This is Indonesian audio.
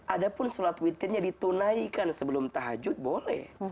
ada pun sholat witirnya ditunaikan sebelum tahajud boleh